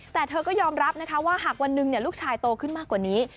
แต่เธอก็ยอมรับนะคะว่าหากวันหนึ่งลูกชายโตขึ้นมากกว่านี้